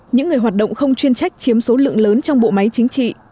những người hoạt động không chuyên trách chiếm số lượng lớn trong bộ máy chính trị